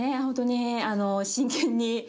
本当に真剣に。